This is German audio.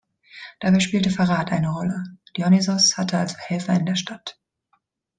Dabei spielte Verrat eine Rolle; Dionysios hatte also Helfer in der Stadt.